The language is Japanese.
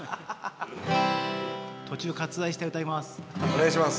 途中割愛して歌います。